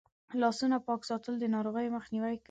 لاسونه پاک ساتل د ناروغیو مخنیوی کوي.